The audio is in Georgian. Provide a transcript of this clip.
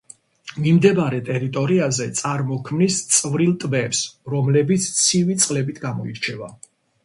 მიმდებარე ტერიტორიაზე წარმოქმნის წვრილ ტბებს, რომლებიც ცივი წყლებით გამოირჩევა.